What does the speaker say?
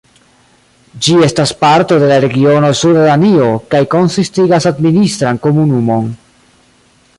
Ĝi estas parto de la regiono Suda Danio kaj konsistigas administran komunumon.